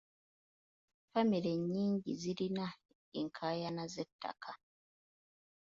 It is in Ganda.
Famire nnyingi zirina enkaayana z'ettaka.